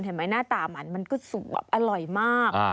เห็นไหมหน้าตามันมันก็สวับอร่อยมาก